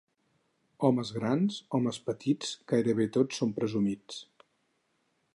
Homes grans, homes petits, gairebé tots són presumits.